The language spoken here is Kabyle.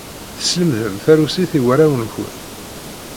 Teslemdem tarusit i warraw-nken.